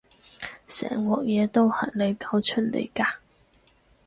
成鑊嘢都係你搞出嚟㗎